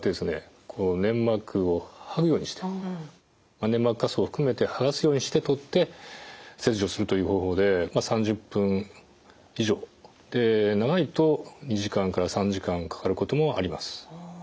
粘膜を剥ぐようにして粘膜下層を含めて剥がすようにして取って切除するという方法で３０分以上長いと２時間から３時間かかることもあります。